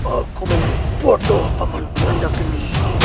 aku memang bodoh peman kurandagini